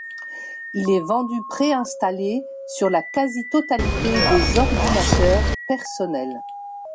Il est vendu préinstallé sur la quasi-totalité des ordinateurs personnels.